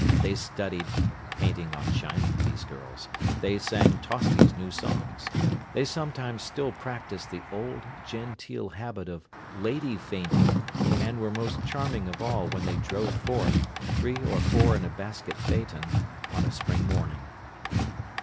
They "studied" painting on china, these girls; they sang Tosti's new songs; they sometimes still practiced the old, genteel habit of lady fainting, and were most charming of all when they drove forth, three or four in a basket phaeton, on a spring morning.